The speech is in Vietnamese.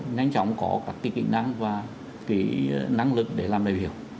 nhanh chóng có các kỹ năng và năng lực để làm đại biểu